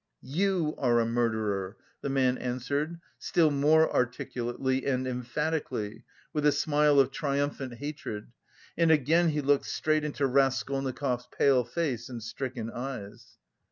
"You are a murderer," the man answered still more articulately and emphatically, with a smile of triumphant hatred, and again he looked straight into Raskolnikov's pale face and stricken eyes.